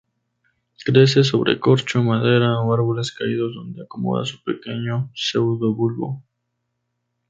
Crece sobre corcho, madera o árboles caídos donde acomoda su pequeño pseudobulbo.